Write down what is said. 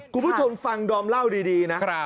คุณผู้ชมฟังดอมเล่าดีนะ